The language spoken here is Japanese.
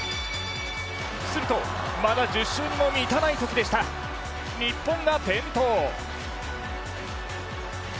すると、まだ１０周にも満たないときでした、日本が転倒。